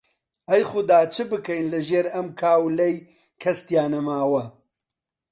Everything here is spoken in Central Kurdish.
ئەی خودا چ بکەین لەژێر ئەم کاولەی کەس تیا نەماو؟!